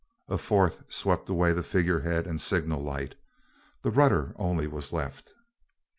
A fourth swept away the figurehead and signal light. The rudder only was left.